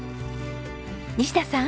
西田さん。